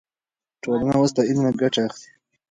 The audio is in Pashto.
ټولنه اوس له علمه ګټه اخلي.